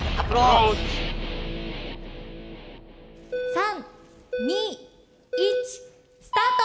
３２１スタート！